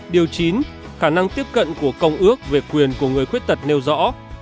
điều chín khả năng tiếp cận của công ước về quyền của người khuyết tật nêu rõ